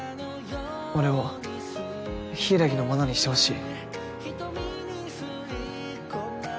俺を柊のものにしてほしい。